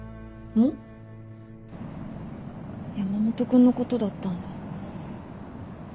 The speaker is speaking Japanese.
山本君のことだったんだ。